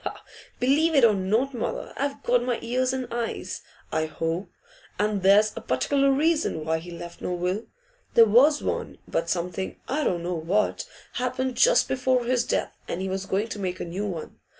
'Believe it or not, mother; I've got my ears and eyes, I hope. And there's a particular reason why he left no will. There was one, but something I don't know what happened just before his death, and he was going to make a new one.